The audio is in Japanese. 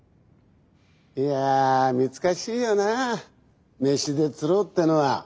いや難しいよな飯で釣ろうってのは。